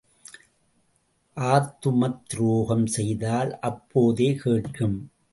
ஆத்துமத் துரோகம் செய்தால் அப்போதே கேட்கும்.